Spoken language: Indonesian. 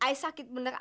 i sakit bener